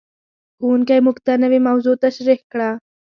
ښوونکی موږ ته نوې موضوع تشریح کړه.